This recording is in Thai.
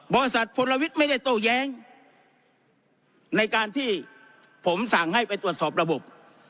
บริษัทพลวิทย์ไม่ได้โต้แย้งในการที่ผมสั่งให้ไปตรวจสอบระบบ